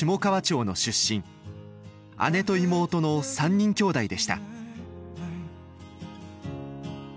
姉と妹の３人きょうだいでした。